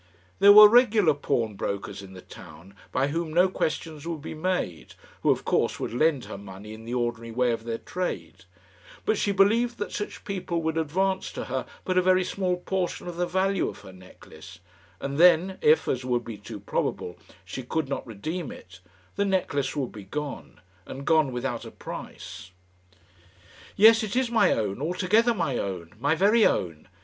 There were regular pawnbrokers in the town, by whom no questions would be made, who, of course, would lend her money in the ordinary way of their trade; but she believed that such people would advance to her but a very small portion of the value of her necklace; and then, if, as would be too probable, she could not redeem it, the necklace would be gone, and gone without a price! "Yes, it is my own, altogether my own my very own."